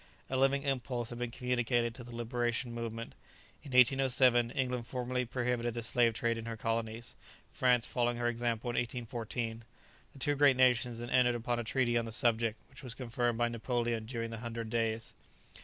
A living impulse had been communicated to the liberation movement. In 1807, England formally prohibited the slave trade in her colonies; France following her example in 1814. The two great nations then entered upon a treaty on the subject, which was confirmed by Napoleon during the Hundred Days.